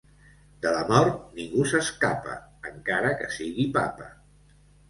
De la mort ningú s'escapa, encara que sigui Papa.